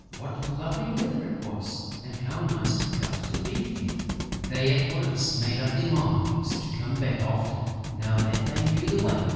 What lovely weather it was! And how nice it felt to be there! They at once made up their minds to come back often, now that they knew the way.